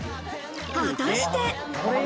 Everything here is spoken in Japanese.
果たして？